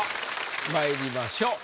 まいりましょう。